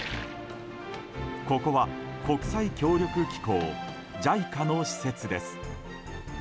ここは国際協力機構・ＪＩＣＡの施設です。